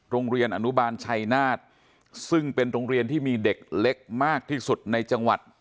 โรงเรียนอนุบาลชัยนาฏซึ่งเป็นโรงเรียนที่มีเด็กเล็กมากที่สุดในจังหวัด